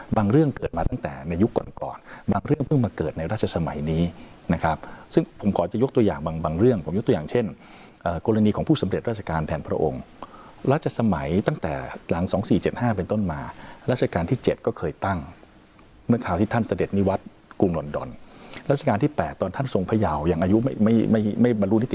บางเรื่องเกิดมาตั้งแต่ในยุคก่อนก่อนบางเรื่องเพิ่งมาเกิดในราชสมัยนี้นะครับซึ่งผมขอจะยกตัวอย่างบางบางเรื่องผมยกตัวอย่างเช่นอ่ากรณีของผู้สำเร็จราชการแทนพระองค์ราชสมัยตั้งแต่หลังสองสี่เจ็ดห้าเป็นต้นมาราชการที่เจ็ดก็เคยตั้งเมื่อข่าวที่ท่านเสด็จนิวัฒน์กรุงลอนดอนราชการที่แปดตอนท่านท